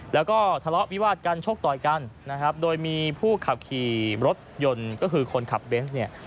แล้วก็ทะเลาะวิวาดกันโดยมีผู้ขับขี่รถยนต์ก็คือคนขับเบนซ์เนี่ย